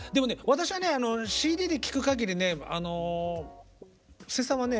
私はねＣＤで聴くかぎりね布施さんはね